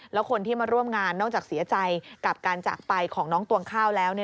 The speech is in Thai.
แล้วคนที่มาร่วมงานนอกจากเสียใจกับการจากไปของน้องตวงข้าวแล้ว